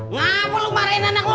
ngapain lu marahin anak lu